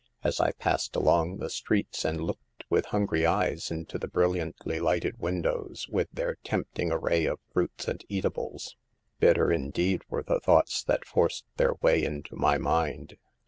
As I passed along the streets and looked with hungry eyes into the brilliantly lighted windows, with their tempt ing array of fruits and eatables, bitter indeed were the thoughts that forced their way into my mind.